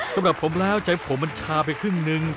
สำหรับผมแล้วใจผมมันชาไปครึ่งนึง